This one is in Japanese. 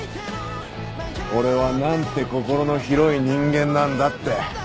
俺はなんて心の広い人間なんだって。